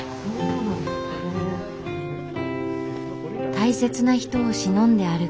大切な人をしのんで歩く。